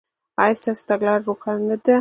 ایا ستاسو تګلاره روښانه نه ده؟